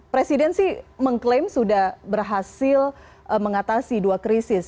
presiden sih mengklaim sudah berhasil mengatasi dua krisis